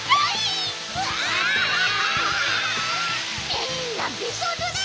みんなびしょぬれ！